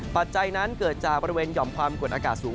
ปัจจัยนั้นเกิดจากบริเวณหย่อมความกดอากาศสูง